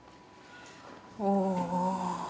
おお。